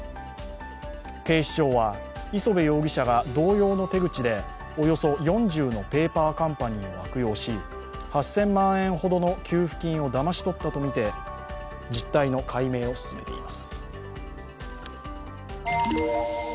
警視庁は、磯辺容疑者が同様の手口でおよそ４０のペーパーカンパニーを悪用し、８０００万円ほどの給付金をだまし取ったとみて、実態の解明を進めています。